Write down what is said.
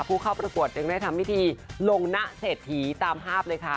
ผู้เข้าประกวดจึงได้ทำพิธีลงนะเศรษฐีตามภาพเลยค่ะ